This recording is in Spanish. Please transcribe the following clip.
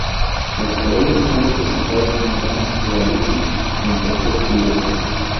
Los caballos están representados con gran realismo, en posturas diversas.